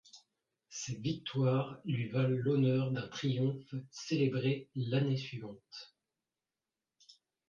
Ses victoires lui valent l'honneur d'un triomphe célébré l'année suivante.